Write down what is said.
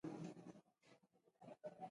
باید خپل منځي اختلافات له منځه یوسو.